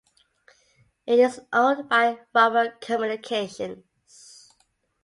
It is owned by Ramar Communications.